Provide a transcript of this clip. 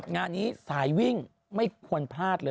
งานนี้สายวิ่งไม่ควรพลาดเลย